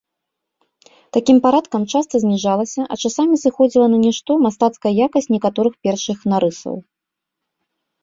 Такім парадкам часта зніжалася, а часамі сыходзіла на нішто, мастацкая якасць некаторых першых нарысаў.